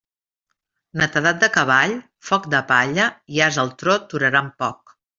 Netedat de cavall, foc de palla i ase al trot duraran poc.